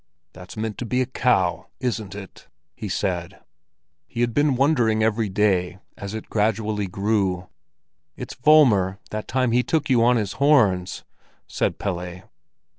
"That's meant to be a cow, isn't it?" he said. He had been wondering every day, as it gradually grew. "It's Volmer that time he took you on his horns," said Pelle.